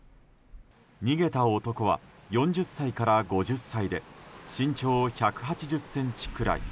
逃げた男は４０歳から５０歳で身長１８０ｃｍくらい。